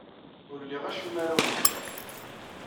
Ur liɣ acemma ara awen-fkeɣ.